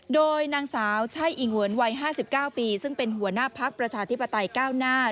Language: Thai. โดยนางสาวใช่อิ่งหวนวัย๕๙ปีซึ่งเป็นหัวหน้าพักประชาธิปไตยก้าวหน้า